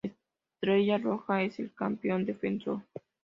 Estrella Roja es el campeón defensor.